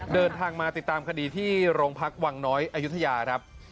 เดินทางมาติดตามคดีที่โรงพักวังน้อยอายุทยาครับ